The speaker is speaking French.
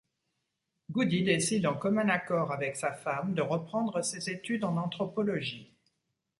Goody décide en commun accord avec sa femme de reprendre ses études en anthropologie.